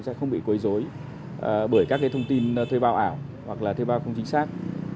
sẽ không bị quấy rối bởi các thông tin thuê bào ảo hoặc là thuê bào không chính xác